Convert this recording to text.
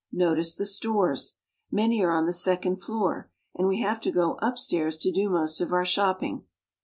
Notice the stores ! Many are on the sec ond floor, and we have to go upstairs to do most of our shopping.